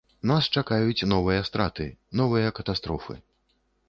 Нас чакаюць новыя страты, новыя катастрофы.